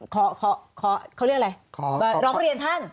ขอเขาเรียกอะไรขอร้องเรียนท่าน